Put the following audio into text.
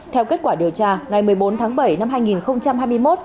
theo kết quả điều tra ngày một mươi bốn tháng bảy năm hai nghìn hai mươi một